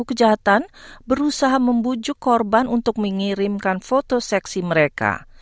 kita memiliki banyak masalah